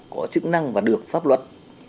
có chức năng và được pháp luật